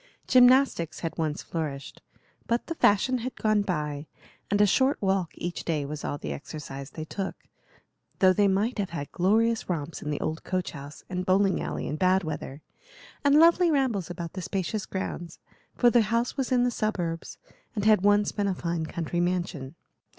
Gymnastics had once flourished, but the fashion had gone by, and a short walk each day was all the exercise they took, though they might have had glorious romps in the old coach house and bowling alley in bad weather, and lovely rambles about the spacious grounds; for the house was in the suburbs, and had once been a fine country mansion.